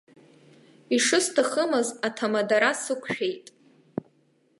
Ишысҭахымыз аҭамадара сықәшәеит.